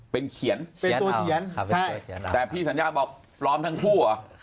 เป็นเขียนเป็นตัวเขียนแต่พี่สัญญาบอกปลอมทั้งคู่เหรอ